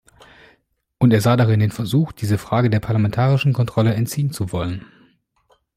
Und er sah darin den Versuch, diese Frage der parlamentarischen Kontrolle entziehen zu wollen.